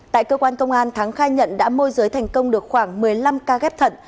tại cơ quan công an thắng khai nhận đã môi giới thành công được khoảng một mươi năm ca ghép thận